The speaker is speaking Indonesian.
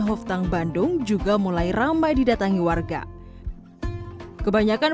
hoftang bandung juga mulai ramai didatangi warga kebanyakan